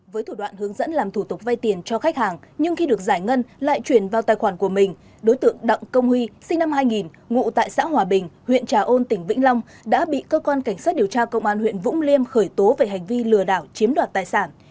với thủ đoạn hướng dẫn làm thủ tục vay tiền cho khách hàng nhưng khi được giải ngân lại chuyển vào tài khoản của mình đối tượng đặng công huy sinh năm hai nghìn ngụ tại xã hòa bình huyện trà ôn tỉnh vĩnh long đã bị cơ quan cảnh sát điều tra công an huyện vũng liêm khởi tố về hành vi lừa đảo chiếm đoạt tài sản